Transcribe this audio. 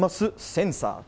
センサー。